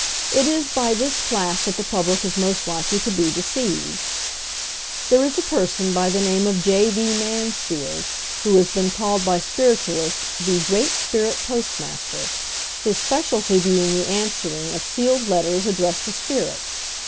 It is by this class that the public is most likely to be deceived. There is a person by the name of J. V. Mansfield, who has been called by spiritualists the "Great Spirit Postmaster," his specialty being the answering of sealed letters addressed to spirits.